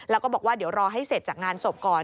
แล้วก็บอกว่าเดี๋ยวรอให้เสร็จจากงานศพก่อน